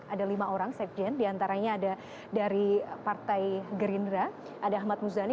ada lima orang sekjen diantaranya ada dari partai gerindra ada ahmad muzani